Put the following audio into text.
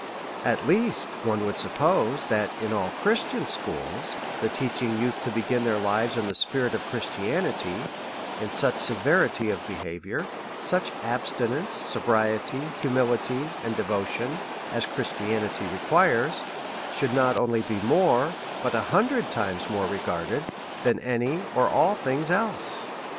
At least one would suppose, that in all Christian schools, the teaching youth to begin their lives in the spirit of Christianity, in such severity of behaviour, such abstinence, sobriety, humility, and devotion, as Christianity requires, should not only be more, but an hundred times more regarded, than any, or all things else.